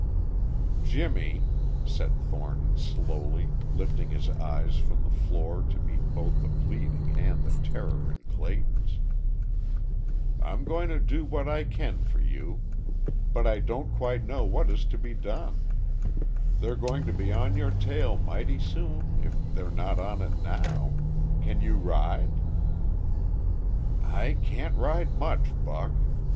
"Jimmie," said Thornton slowly, lifting his eyes from the floor to meet both the pleading and the terror in Clayton's, "I'm going to do what I can for you. But I don't quite know what is to be done. They're going to be on your trail mighty soon if they're not on it now. Can you ride?" "I can't ride much, Buck."